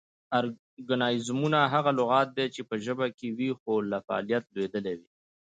ارکانیزمونه: هغه لغات دي چې پۀ ژبه کې وي خو لۀ فعالیت لویدلي وي